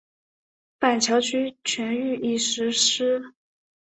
板桥区全域已实施。